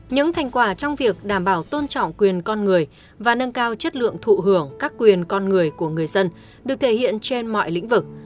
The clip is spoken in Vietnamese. những thành quả trong việc đảm bảo tôn trọng quyền con người và nâng cao chất lượng thụ hưởng các quyền con người của người dân được thể hiện trên mọi lĩnh vực